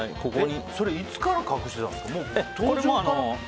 それ、いつから隠してたんですか？